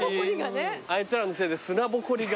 あいつらのせいで砂ぼこりが。